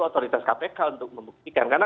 otoritas kpk untuk membuktikan karena